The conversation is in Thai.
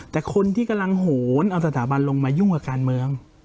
แต่คนที่กำลังโหนเอาสถาบันลงมายุ่งกับการเมือง